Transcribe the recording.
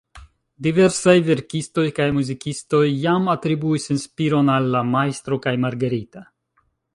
Diversaj verkistoj kaj muzikistoj jam atribuis inspiron al "La Majstro kaj Margarita".